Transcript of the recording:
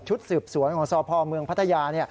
สืบสวนของสพเมืองพัทยา